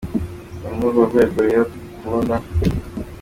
Ni muri urwo rewgo rero Gukunda.